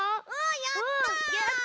やった！